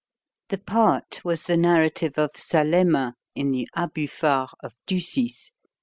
The part was the narrative of Salema in the "Abufar" of Ducis.